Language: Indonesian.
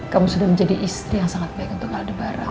kamu sudah menjadi istri yang sangat baik untuk aldebar